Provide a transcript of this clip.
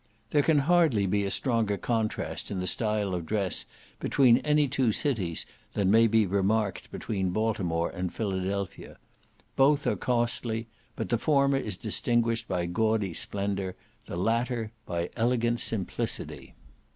There can hardly be a stronger contrast in the style of dress between any two cities than may be remarked between Baltimore and Philadelphia; both are costly, but the former is distinguished by gaudy splendour, the latter by elegant simplicity.